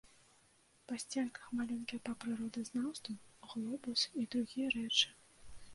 Па сценках малюнкі па прыродазнаўству, глобус і другія рэчы.